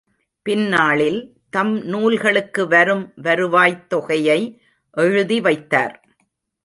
பின்னாளில் தம் நூல்களுக்கு வரும் வருவாய்த் தொகையை எழுதி வைத்தார்.